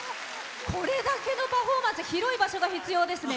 これだけのパフォーマンス広い場所が必要ですね